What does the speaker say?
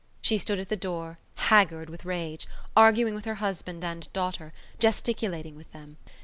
She stood at the door, haggard with rage, arguing with her husband and daughter, gesticulating with them.